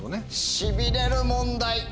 しびれる問題。